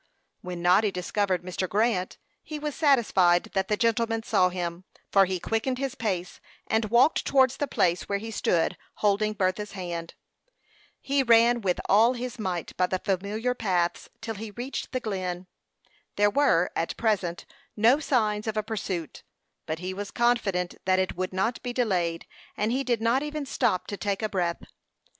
When Noddy discovered Mr. Grant, he was satisfied that the gentleman saw him, for he quickened his pace, and walked towards the place where he stood holding Bertha's hand. He ran with all his might by the familiar paths till he reached the Glen. There were, at present, no signs of a pursuit; but he was confident that it would not be delayed, and he did not even stop to take breath.